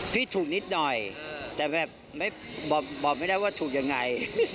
พี่ถูกนิดหน่อยแต่แบบบอกไม่ได้ว่าถูกยังไง